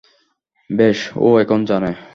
বেশ, ও এখন জানে।